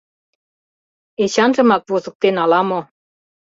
Эчанжымак возыктен ала-мо.